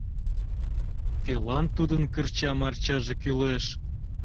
Кӧлан тудын кырча- марчаже кӱлеш?